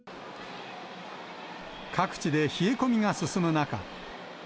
各地で冷え込みが進む中。